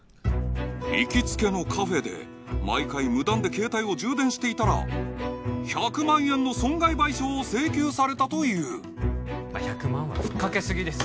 行きつけのカフェで毎回無断で携帯を充電していたら１００万円の損害賠償を請求されたという１００万は吹っかけすぎです